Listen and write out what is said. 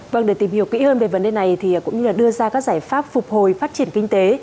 vâng để tìm hiểu kỹ hơn về vấn đề này thì cũng như đưa ra các giải pháp phục hồi phát triển kinh tế